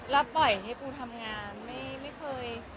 รับบ่อยให้ปูทำงานไม่เคย